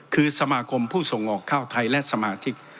คือสมาคมผู้ส่งออกข้าวไทยและสมาชิก